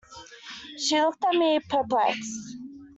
She looked at me, perplexed.